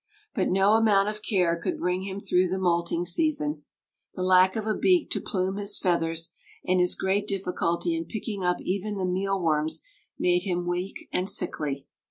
But no amount of care could bring him through the moulting season, the lack of a beak to plume his feathers and his great difficulty in picking up even the mealworms made him weak and sickly.